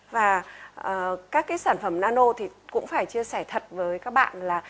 và các cái sản phẩm nano thì cũng phải chia sẻ thật với các bạn là